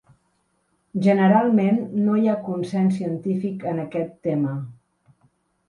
Generalment, no hi ha consens científic en aquest tema.